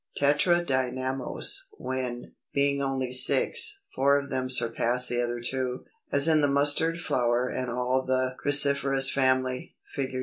Tetradynamous, when, being only six, four of them surpass the other two, as in the Mustard flower and all the Cruciferous family, Fig.